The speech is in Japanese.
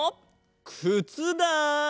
くつだ！